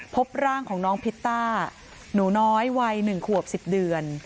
พบร่างของน้องพิตต้าหนูน้อยวัย๑ขวบ๑๐เดือน